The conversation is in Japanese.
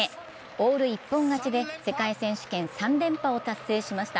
オール一本勝ちで世界選手権３連覇を達成しました。